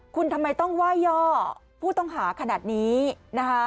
คุณทำไมต้องไหว้ย่อผู้ต้องหาขนาดนี้นะคะ